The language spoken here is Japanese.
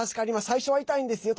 最初は痛いんですよ